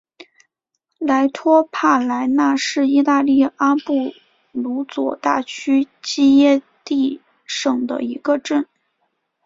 莱托帕莱纳是意大利阿布鲁佐大区基耶蒂省的一个镇。